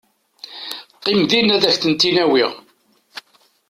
Qqim din ad ak-tent-in-awiɣ.